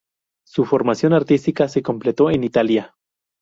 Su formación artística se completó en Italia.